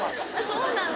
そうなんだ。